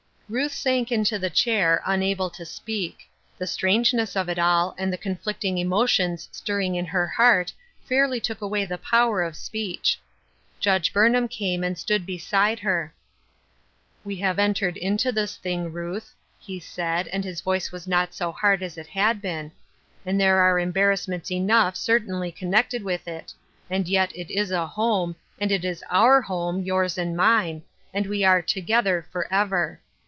Ruth sank into the chair, unable to speak ; the strangeness of it all, and the conflicting emotions stirring in her heart fairly took away the power of speech. Judge Burnham came and stood be side her. " We have entered into this thing, Ruth," he said, and his voice was not so hard as it had been, "and there are embarrassments enough certainly connected with it, and yet it is a home, and it is our home — yours and mine — and we are together forever.